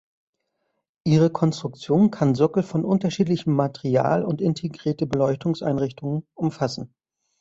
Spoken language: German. Ihre Konstruktion kann Sockel von unterschiedlichem Material und integrierte Beleuchtungseinrichtungen umfassen.